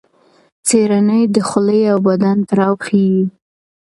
څېړنې د خولې او بدن تړاو ښيي.